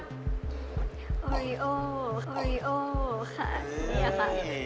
นี่ค่ะ